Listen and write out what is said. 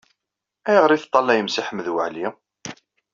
Ayɣeṛ i teṭṭalayem Si Ḥmed Waɛli?